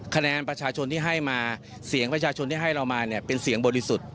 คะแนนประชาชนที่ให้มาเสียงประชาชนที่ให้เรามาเนี่ยเป็นเสียงบริสุทธิ์